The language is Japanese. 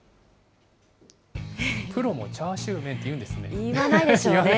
プロもチャーシューメンって言うんですね。